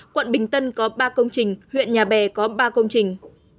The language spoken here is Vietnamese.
quận bình tân có ba công trình huyện nhà bè có ba công trình